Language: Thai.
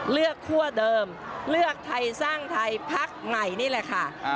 คั่วเดิมเลือกไทยสร้างไทยพักใหม่นี่แหละค่ะ